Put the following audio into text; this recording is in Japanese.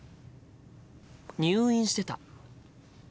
入院してた。